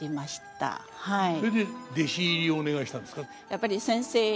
やっぱり先生